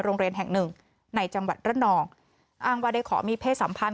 โรงเรียนแห่งหนึ่งในจังหวัดระนองอ้างว่าได้ขอมีเพศสัมพันธ